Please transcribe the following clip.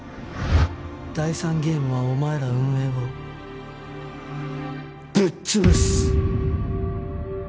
第３ゲームはお前ら運営をぶっ潰す！